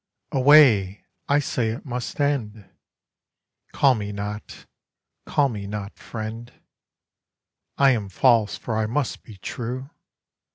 Away! I say it must end! Call me not, call me not friend—I am false for I must be true!